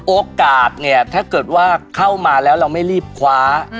โอกาสเนี่ยถ้าเกิดว่าเข้ามาแล้วเราไม่รีบคว้า